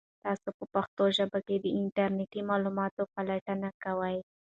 تاسو په پښتو ژبه د انټرنیټي معلوماتو پلټنه کوئ؟